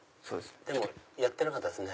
でもやってなかったですね。